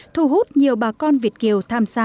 thu hút nhiều bà con việt kiều tham gia